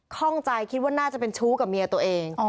ข้องใจคิดว่าน่าจะเป็นชู้กับเมียตัวเอง